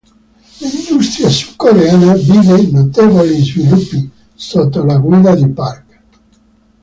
L'industria sudcoreana vide notevoli sviluppi sotto la guida di Park.